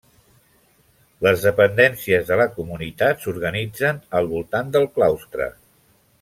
Les dependències de la comunitat s'organitzen al voltant del claustre.